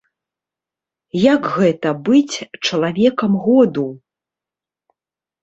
Як гэта быць чалавекам году?